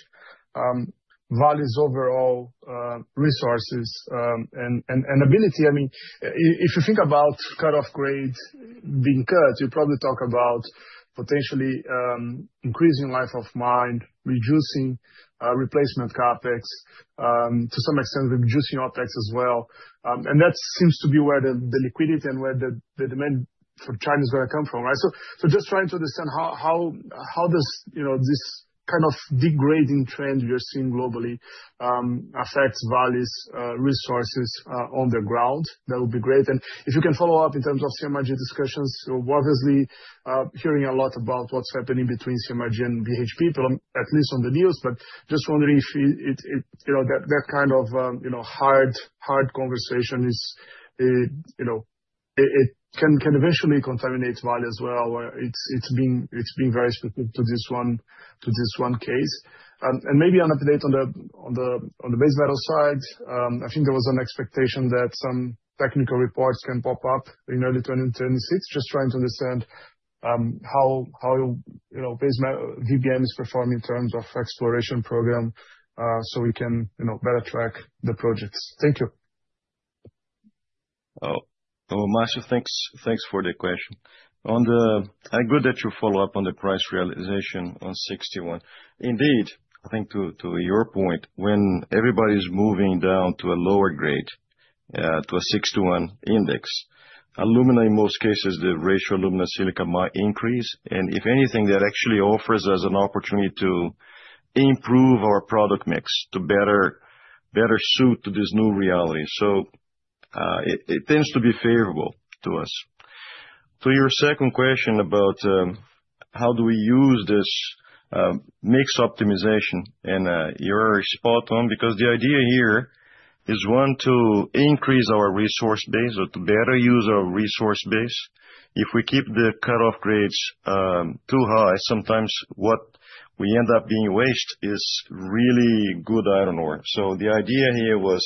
Vale's overall, resources, and, and, and ability? I mean, if you think about cut-off grade being cut, you probably talk about potentially, increasing life of mine, reducing, replacement CapEx, to some extent, reducing OpEx as well. And that seems to be where the, the liquidity and where the, the demand for China is gonna come from, right? So just trying to understand how does, you know, this kind of degrading trend you're seeing globally affect Vale's resources on the ground? That would be great. And if you can follow up in terms of CMRG discussions. So obviously hearing a lot about what's happening between CMRG and BHP, at least on the news. But just wondering if, you know, that kind of hard conversation can eventually contaminate Vale as well, or it's been very specific to this one case. And maybe an update on the base metal side. I think there was an expectation that some technical reports can pop up in early 2026. Just trying to understand how, you know, base metal, VBM is performing in terms of exploration program, so we can, you know, better track the projects. Thank you. Oh, Marcio, thanks. Thanks for the question. Good that you follow up on the price realization on 61. Indeed, I think to, to your point, when everybody's moving down to a lower grade, to a 61 index, alumina, in most cases, the ratio alumina silica might increase, and if anything, that actually offers us an opportunity to improve our product mix to better, better suit to this new reality. So, it tends to be favorable to us. To your second question about, how do we use this, mix optimization, and, you're spot on, because the idea here is, one, to increase our resource base or to better use our resource base. If we keep the cut-off grades, too high, sometimes what we end up being waste is really good iron ore. So the idea here was,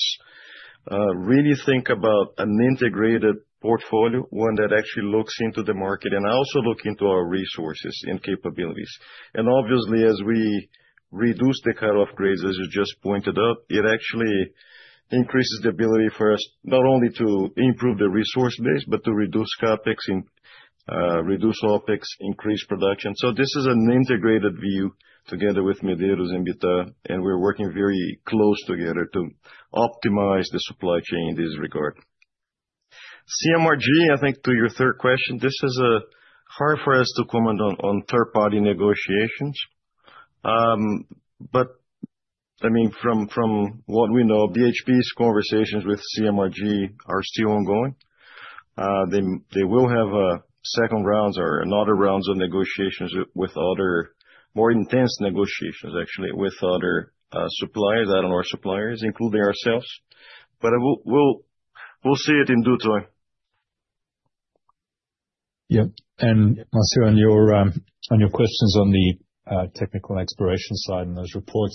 really think about an integrated portfolio, one that actually looks into the market, and also look into our resources and capabilities. And obviously, as we reduce the cut-off grades, as you just pointed out, it actually increases the ability for us, not only to improve the resource base, but to reduce CapEx and, reduce OpEx, increase production. So this is an integrated view together with Vale and we're working very close together to optimize the supply chain in this regard. CMRG, I think to your third question, this is, hard for us to comment on, on third-party negotiations. But I mean, from what we know, BHP's conversations with CMRG are still ongoing. They will have, second rounds or another rounds of negotiations with other, more intense negotiations, actually, with other, suppliers, iron ore suppliers, including ourselves. But we'll see it in due time. Yeah, and Marcio, on your, on your questions on the, technical exploration side and those reports.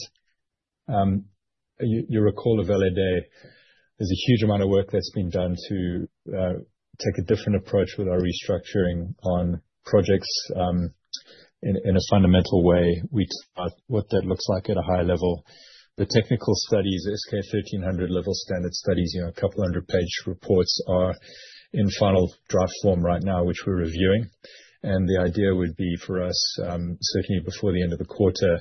You, you recall of earlier there's a huge amount of work that's been done to, take a different approach with our restructuring on projects, in a fundamental way. We discuss what that looks like at a high level. The technical studies, S-K 1300 level standard studies, you know, a couple hundred-page reports, are in final draft form right now, which we're reviewing. And the idea would be for us, certainly before the end of the quarter,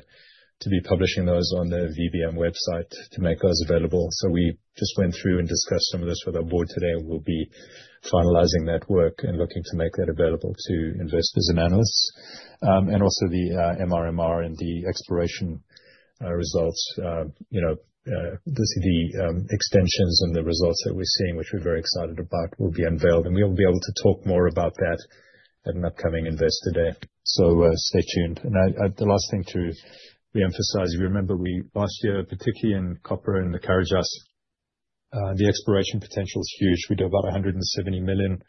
to be publishing those on the VBM website to make those available. So we just went through and discussed some of this with our board today, and we'll be finalizing that work and looking to make that available to investors and analysts. And also the MRMR and the exploration results, you know, the extensions and the results that we're seeing, which we're very excited about, will be unveiled, and we'll be able to talk more about that at an upcoming Investor Day. So, stay tuned. And the last thing to reemphasize, you remember we, last year, particularly in copper and the Carajás, the exploration potential is huge. We do about $170 million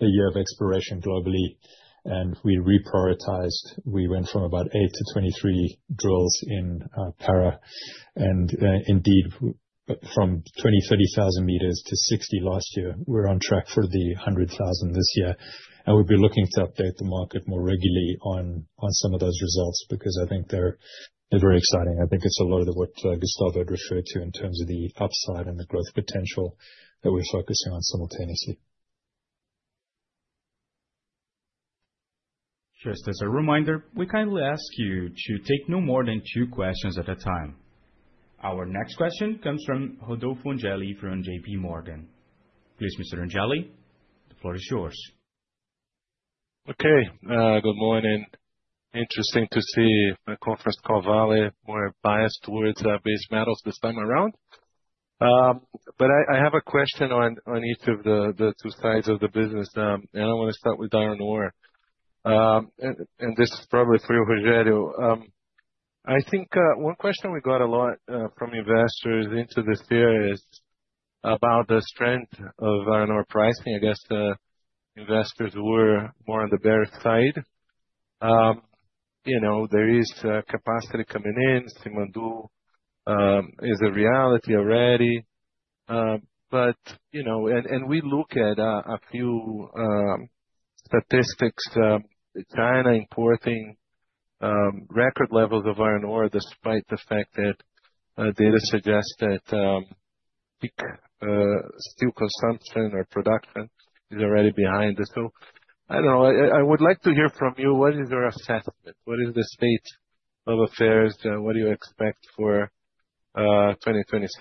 a year of exploration globally, and we reprioritized. We went from about eight to 23 drills in Pará, and indeed, from 20,000 m-30,000 m to 60,000 m last year. We're on track for the 100,000 m this year, and we'll be looking to update the market more regularly on some of those results, because I think they're very exciting. I think it's a lot of the work Gustavo had referred to in terms of the upside and the growth potential that we're focusing on simultaneously. Just as a reminder, we kindly ask you to take no more than two questions at a time. Our next question comes from Rodolfo Angele from JPMorgan. Please, Mr. Angele, the floor is yours. Okay. Good morning. Interesting to see a conference call Vale more biased towards base metals this time around. But I have a question on each of the two sides of the business, and I wanna start with iron ore. And this is probably for Rogério. I think one question we got a lot from investors into this year is about the strength of iron ore pricing. I guess investors were more on the bear side. You know, there is capacity coming in Simandou is a reality already. But you know, we look at a few statistics, China importing record levels of iron ore, despite the fact that data suggests that peak steel consumption or production is already behind us. So I don't know. I would like to hear from you, what is your assessment? What is the state of affairs? What do you expect for 2026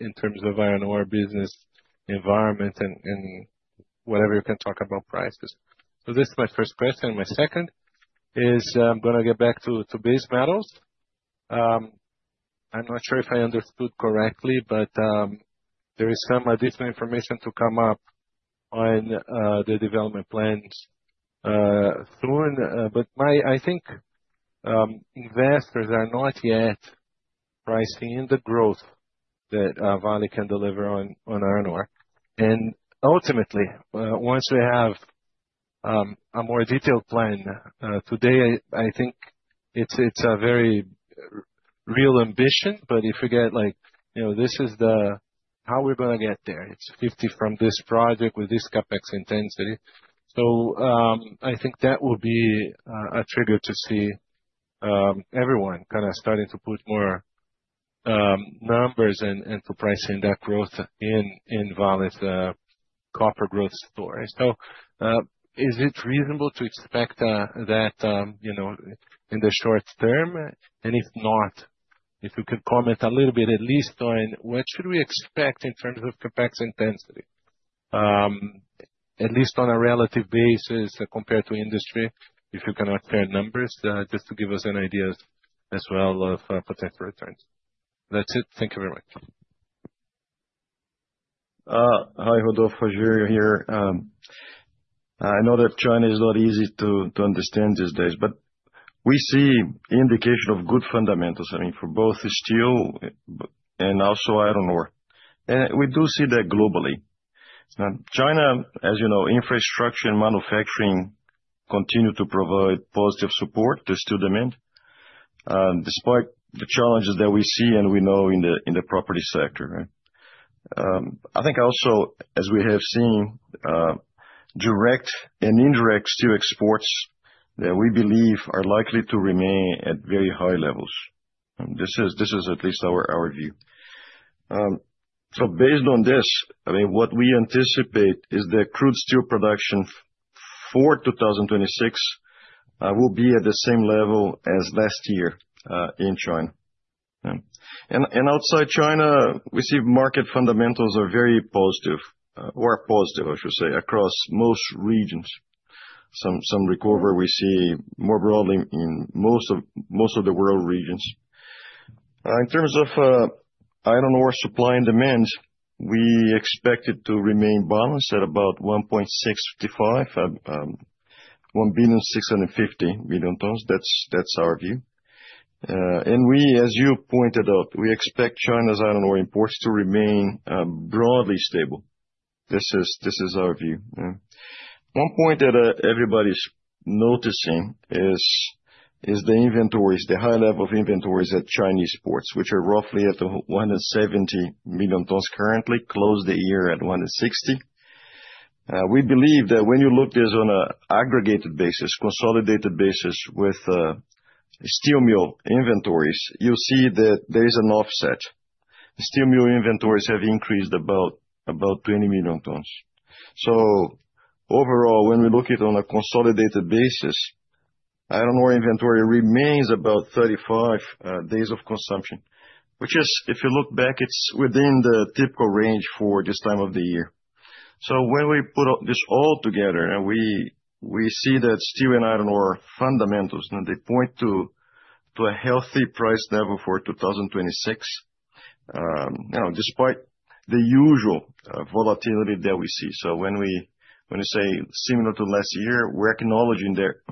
in terms of iron ore business environment and whatever you can talk about prices? So this is my first question. My second is, I'm gonna get back to base metals. I'm not sure if I understood correctly, but there is some additional information to come up on the development plans through. I think investors are not yet pricing in the growth that Vale can deliver on iron ore. And ultimately, once we have a more detailed plan, today, I think it's a very real ambition, but if you get, like, you know, this is the how we're gonna get there. It's 50 from this project with this CapEx intensity. So, I think that would be a trigger to see everyone kind of starting to put more numbers and to pricing that growth in Vale's copper growth story. So, is it reasonable to expect that, you know, in the short term? And if not, if you could comment a little bit, at least on what should we expect in terms of CapEx intensity, at least on a relative basis compared to industry, if you cannot share numbers, just to give us an idea as well of potential returns. That's it. Thank you very much. Hi, Rodolfo, Rogério here. I know that China is not easy to understand these days, but we see indication of good fundamentals, I mean, for both steel and also iron ore. And we do see that globally. Now, China, as you know, infrastructure and manufacturing continue to provide positive support to steel demand, despite the challenges that we see and we know in the property sector. I think also, as we have seen, direct and indirect steel exports that we believe are likely to remain at very high levels. This is at least our view. So based on this, I mean, what we anticipate is that crude steel production for 2026 will be at the same level as last year in China. Outside China, we see market fundamentals are very positive, or positive, I should say, across most regions. Some recovery we see more broadly in most of the world regions. In terms of iron ore supply and demand, we expect it to remain balanced at about 1.65 billion tons. That's our view. And we, as you pointed out, we expect China's iron ore imports to remain broadly stable. This is our view. One point that everybody's noticing is the inventories, the high level of inventories at Chinese ports, which are roughly at 170 million tons currently, closed the year at 160. We believe that when you look this on an aggregated basis, consolidated basis with steel mill inventories, you'll see that there is an offset. Steel mill inventories have increased about 20 million tons. So overall, when we look at it on a consolidated basis, iron ore inventory remains about 35 days of consumption. Which is, if you look back, it's within the typical range for this time of the year. So when we put all this together, and we see that steel and iron ore fundamentals, and they point to a healthy price level for 2026, you know, despite the usual volatility that we see. So when we say similar to last year, we're acknowledging there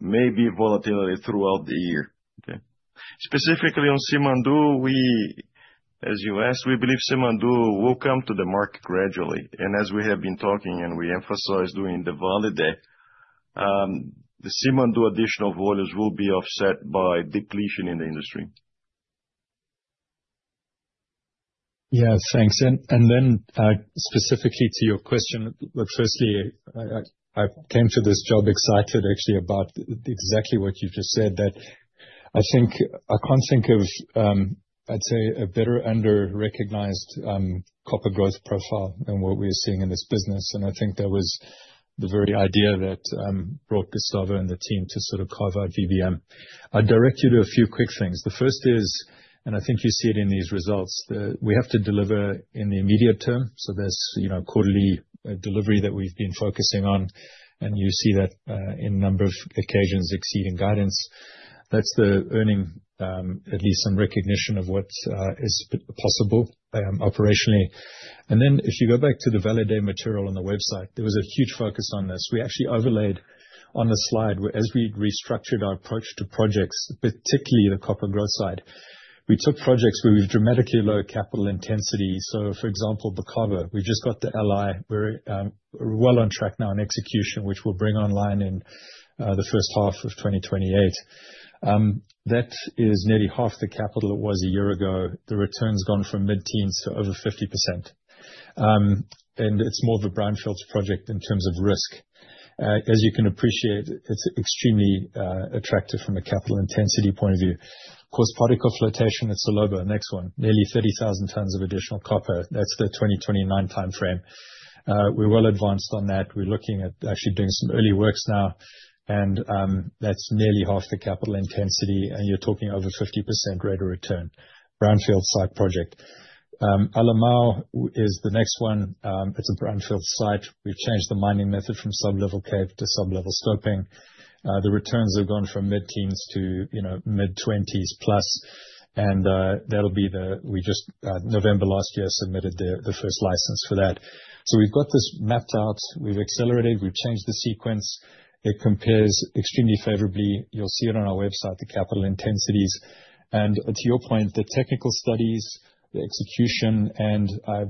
may be volatility throughout the year. Okay? Specifically on Simandou, we, as you asked, we believe Simandou will come to the market gradually. And as we have been talking, and we emphasize during the Vale Day, the Simandou additional volumes will be offset by depletion in the industry. Yeah, thanks. Then, specifically to your question, look, firstly, I came to this job excited, actually, about exactly what you just said, that I can't think of, I'd say, a better under-recognized copper growth profile than what we're seeing in this business, and I think that was the very idea that brought Gustavo and the team to sort of carve out VBM. I'd direct you to a few quick things. The first is, and I think you see it in these results, we have to deliver in the immediate term, so there's, you know, quarterly delivery that we've been focusing on, and you see that in number of occasions exceeding guidance. That's the earning, at least some recognition of what is possible, operationally. And then, if you go back to the Vale Day material on the website, there was a huge focus on this. We actually overlaid on the slide, where as we restructured our approach to projects, particularly the copper growth side, we took projects with dramatically low capital intensity. So, for example, Bacaba, we just got the license. We're, we're well on track now in execution, which we'll bring online in, the first half of 2028. That is nearly half the capital it was a year ago. The return's gone from mid-teens to over 50%. And it's more of a brownfields project in terms of risk. As you can appreciate, it's extremely, attractive from a capital intensity point of view. Coarse, particle flotation at Salobo, next one, nearly 30,000 tons of additional copper. That's the 2029 timeframe. We're well advanced on that. We're looking at actually doing some early works now. That's nearly half the capital intensity, and you're talking over 50% rate of return. Brownfield site project. Alemão is the next one. It's a brownfield site. We've changed the mining method from sub-level caving to sub-level stoping. The returns have gone from mid-teens to, you know, mid-20s+, and, we just, November last year, submitted the first license for that. So we've got this mapped out. We've accelerated, we've changed the sequence. It compares extremely favorably. You'll see it on our website, the capital intensities. To your point, the technical studies, the execution, and I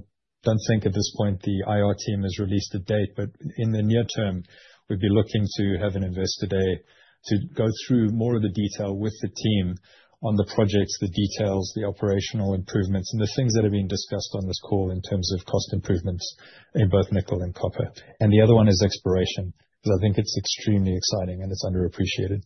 don't think at this point the IR team has released a date, but in the near term, we'd be looking to have an Investor Day to go through more of the detail with the team on the projects, the details, the operational improvements, and the things that are being discussed on this call in terms of cost improvements in both nickel and copper. The other one is exploration, because I think it's extremely exciting, and it's underappreciated.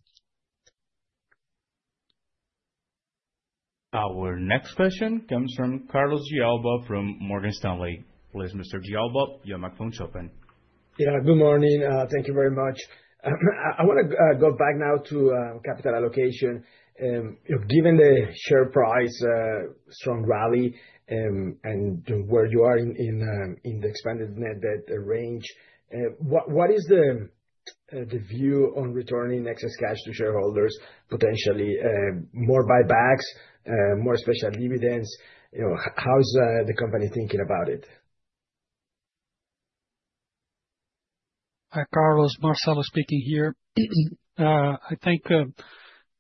Our next question comes from Carlos De Alba from Morgan Stanley. Please, Mr. De Alba, your microphone is open. Yeah, good morning. Thank you very much. I wanna go back now to capital allocation. Given the share price strong rally and where you are in the expanded net debt range, what is the view on returning excess cash to shareholders, potentially more buybacks, more special dividends? You know, how is the company thinking about it? Hi, Carlos, Marcelo speaking here. I think,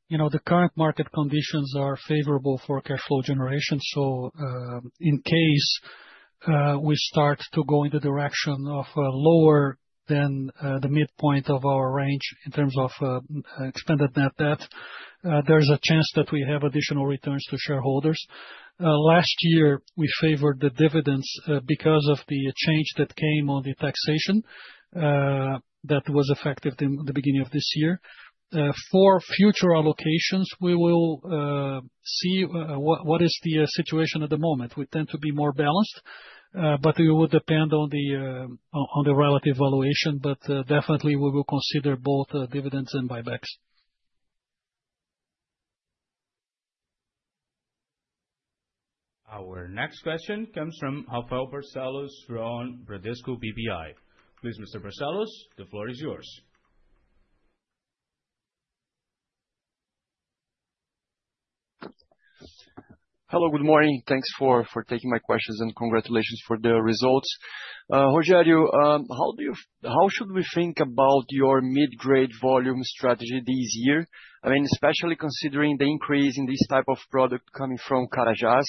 you know, the current market conditions are favorable for cashflow generation, so, in case, we start to go in the direction of, lower than, the midpoint of our range in terms of, expanded net debt, there's a chance that we have additional returns to shareholders. Last year, we favored the dividends, because of the change that came on the taxation, that was effective in the beginning of this year. For future allocations, we will see what is the situation at the moment. We tend to be more balanced, but it would depend on the, on, on the relative valuation, but, definitely we will consider both, dividends and buybacks. Our next question comes from Rafael Barcellos, from Bradesco BBI. Please, Mr. Barcellos, the floor is yours. Hello, good morning. Thanks for taking my questions, and congratulations for the results. Rogério, how should we think about your mid-grade volume strategy this year? I mean, especially considering the increase in this type of product coming from Carajás.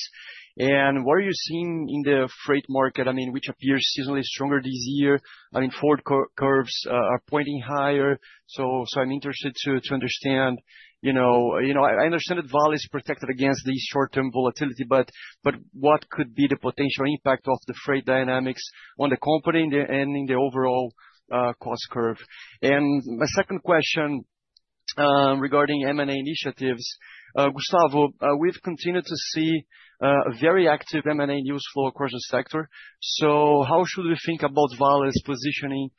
And what are you seeing in the freight market, I mean, which appears seasonally stronger this year? I mean, forward curves are pointing higher, so I'm interested to understand, you know. I understand that Vale is protected against the short-term volatility, but what could be the potential impact of the freight dynamics on the company and in the overall cost curve? My second question, regarding M&A initiatives, Gustavo, we've continued to see very active M&A news flow across the sector, so how should we think about Vale's positioning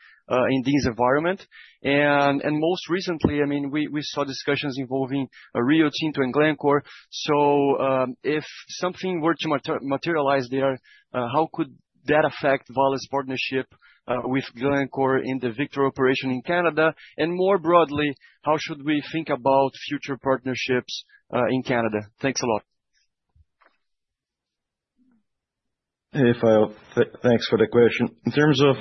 in this environment? And most recently, I mean, we saw discussions involving Rio Tinto and Glencore. So, if something were to materialize there, how could that affect Vale's partnership with Glencore in the Victor operation in Canada? And more broadly, how should we think about future partnerships in Canada? Thanks a lot. Hey, Rafael, thanks for the question. In terms of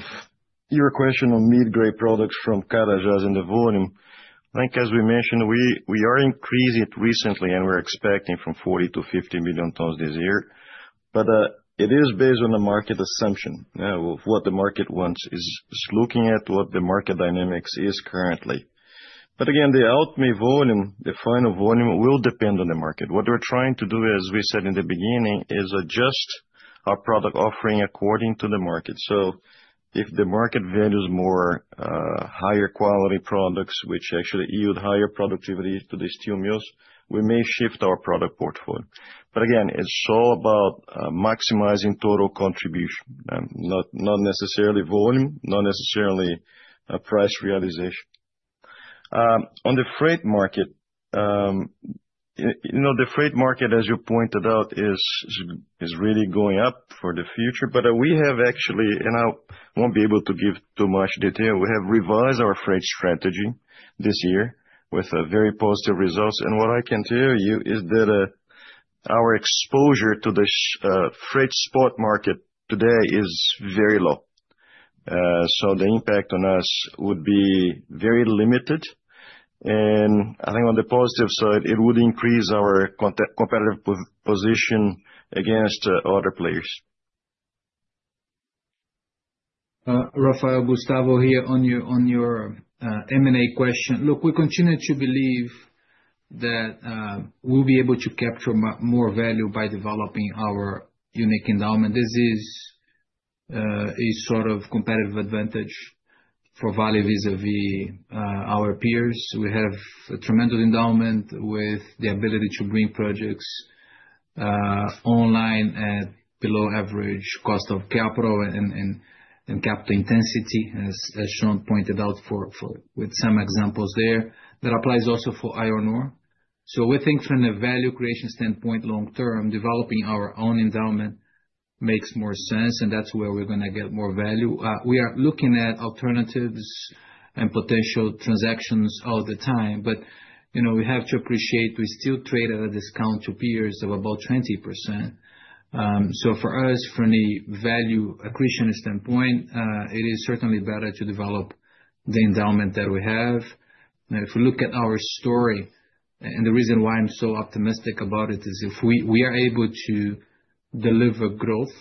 your question on mid-grade products from Carajás and the volume, I think as we mentioned, we, we are increased recently, and we're expecting from 40 million tons-50 million tons this year. But, it is based on the market assumption, of what the market wants. It's, it's looking at what the market dynamics is currently. But again, the ultimate volume, the final volume, will depend on the market. What we're trying to do, as we said in the beginning, is adjust our product offering according to the market. So if the market values more, higher quality products, which actually yield higher productivity to the steel mills, we may shift our product portfolio. But again, it's all about, maximizing total contribution, not, not necessarily volume, not necessarily a price realization. On the freight market, you know, the freight market, as you pointed out, is really going up for the future. But we have actually, and I won't be able to give too much detail, we have revised our freight strategy this year with very positive results. And what I can tell you is that, our exposure to the freight spot market today is very low. So the impact on us would be very limited, and I think on the positive side, it would increase our competitive position against other players. Rafael, Gustavo here on your M&A question. Look, we continue to believe that, we'll be able to capture more value by developing our unique endowment. This is, a sort of competitive advantage for Vale vis-a-vis, our peers. We have a tremendous endowment with the ability to bring projects, online at below average cost of capital and capital intensity, as Shaun pointed out with some examples there, that applies also for iron ore. So we think from a value creation standpoint, long term, developing our own endowment makes more sense, and that's where we're gonna get more value. We are looking at alternatives and potential transactions all the time, but, you know, we have to appreciate, we still trade at a discount to peers of about 20%. So for us, from a value accretion standpoint, it is certainly better to develop the endowment that we have. Now, if you look at our story, and the reason why I'm so optimistic about it, is if we are able to deliver growth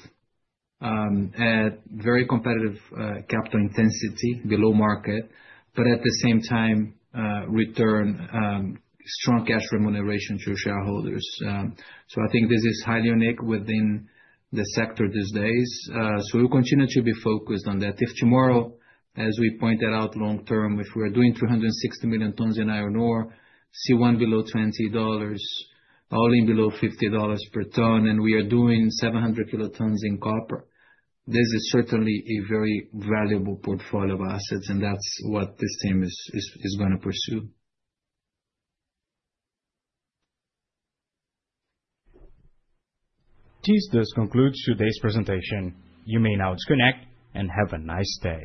at very competitive capital intensity below market, but at the same time, return strong cash remuneration to shareholders. So I think this is highly unique within the sector these days, so we'll continue to be focused on that. If tomorrow, as we pointed out long term, if we are doing 260 million tons in iron ore, C1 below $20, all-in below $50 per ton, and we are doing 700 kt in copper, this is certainly a very valuable portfolio of assets, and that's what this team is gonna pursue. This does conclude today's presentation. You may now disconnect and have a nice day.